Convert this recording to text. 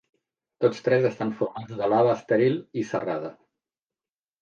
Tots tres estan formats de lava estèril i serrada.